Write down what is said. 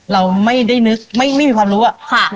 เราไม่ได้นึกไม่มีความรู้อะ